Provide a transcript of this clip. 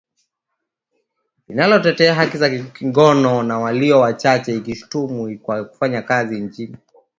Linalotetea haki za kingono za walio wachache likilishutumu kwa kufanya kazi katika nchi hiyo ya Afrika Mashariki kinyume cha sheria, kwa mujibu wa afisa mwandamizi